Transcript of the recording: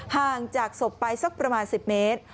ห่างจากศพไปสักประมาณ๑๐เมตร